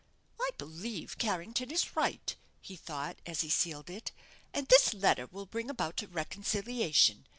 "I believe Carrington is right," he thought, as he sealed it: "and this letter will bring about a reconciliation.